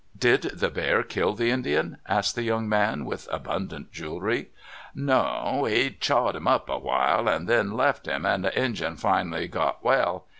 "Did the bear kill the Indian?" asked the young man with abundant jewelry. "No; he chawed him up awhile, and then left him, and the Injun finally got well.